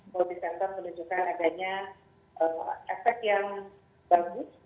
multi center menunjukkan adanya efek yang berbeda